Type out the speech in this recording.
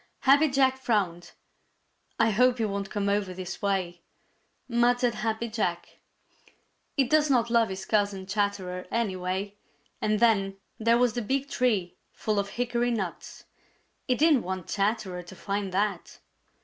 Happy Jack frowned. "I hope he won't come over this way," muttered Happy Jack. He does not love his cousin Chatterer anyway, and then there was the big tree full of hickory nuts! He didn't want Chatterer to find that.